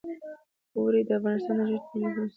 اوړي د افغانستان د جغرافیوي تنوع مثال دی.